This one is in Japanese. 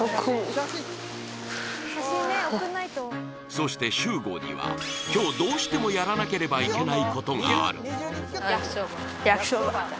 そして秀悟には今日どうしてもやらなければいけないことがある